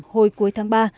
hồi cuối tháng ba